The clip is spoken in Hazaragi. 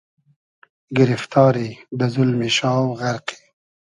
گیریفتاری , دۂ زولمی شاو غئرقی